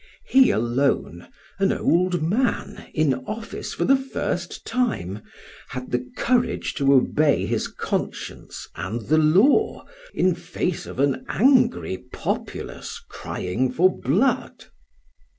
He alone, an old man, in office for the first time, had the courage to obey his conscience and the law in face of an angry populace crying for blood.